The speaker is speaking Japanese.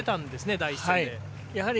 第１戦で。